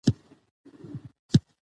دوی مرستو ته اړتیا لري.